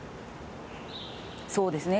そうですね。